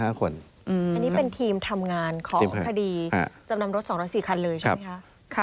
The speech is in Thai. อันนี้เป็นทีมทำงานของคดีจำนำรถ๒๐๔คันเลยใช่ไหมคะ